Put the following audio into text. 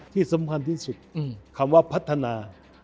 ที่สำคัญที่สุดคำว่าพัฒนา